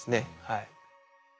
はい。